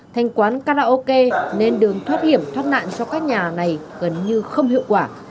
thành quán karaoke nên đường thoát hiểm thoát nạn cho các nhà này gần như không hiệu quả